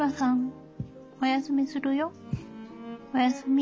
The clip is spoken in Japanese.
おやすみ。